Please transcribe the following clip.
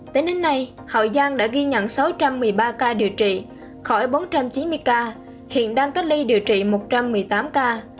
tính đến nay hậu giang đã ghi nhận sáu trăm một mươi ba ca điều trị khỏi bốn trăm chín mươi ca hiện đang cách ly điều trị một trăm một mươi tám ca